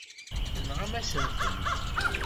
Tenɣam-asen-tent.